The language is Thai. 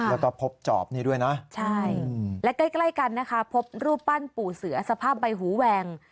แล้วก็พบจอบนี้ด้วยนะใช่และใกล้ใกล้กันนะคะพบรูปปั้นปู่เสือสภาพใบหูแหวง